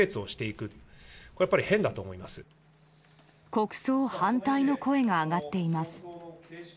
国葬反対の声が上がっています。